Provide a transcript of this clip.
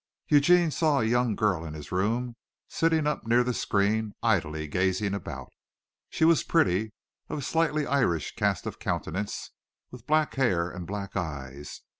Eugene saw a young girl in his room, sitting up near the screen, idly gazing about. She was pretty, of a slightly Irish cast of countenance, with black hair and black eyes.